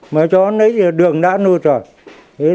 mà cho đến đường đã nụt rồi